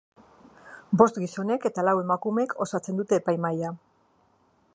Bost gizonek eta lau emakumek osatzen dute epaimahia.